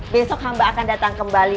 besok hamba akan datang kembali